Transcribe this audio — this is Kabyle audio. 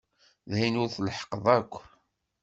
D ayen ur tleḥḥqeḍ akk.